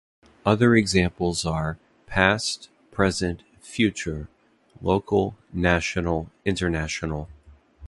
Other examples are: past, present, future; local, national, international.